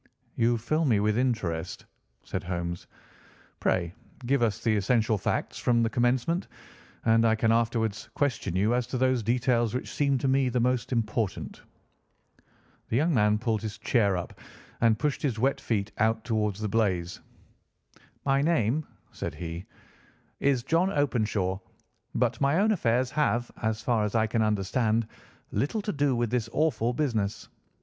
"You fill me with interest," said Holmes. "Pray give us the essential facts from the commencement, and I can afterwards question you as to those details which seem to me to be most important." The young man pulled his chair up and pushed his wet feet out towards the blaze. "My name," said he, "is John Openshaw, but my own affairs have, as far as I can understand, little to do with this awful business.